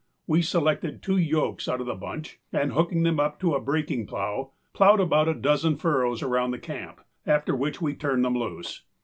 We selected two yokes out of the bunch and, hooking them up to a breaking plow, plowed about a dozen furrows around the camp, after which we turned them loose.